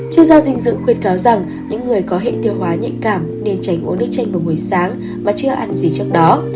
chuyên gia dinh dự khuyên cáo rằng những người có hệ tiêu hóa nhạy cảm nên tránh uống nước chanh vào buổi sáng mà chưa ăn gì trước đó